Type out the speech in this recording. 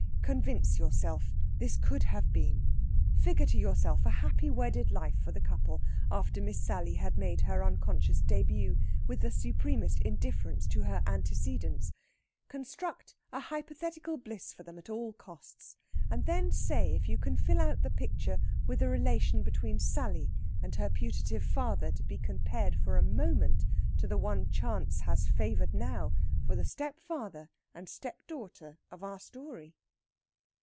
Convince yourself this could have been; figure to yourself a happy wedded life for the couple after Miss Sally had made her unconscious début with the supremest indifference to her antecedents; construct a hypothetical bliss for them at all costs, and then say if you can fill out the picture with a relation between Sally and her putative father to be compared for a moment to the one chance has favoured now for the stepfather and stepdaughter of our story.